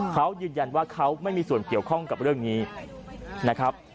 เขายืนยันว่าเขาไม่มีส่วนเกี่ยวข้องกับเรื่องนี้นะครับ